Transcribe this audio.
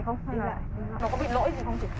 nó có bị lỗi gì không chị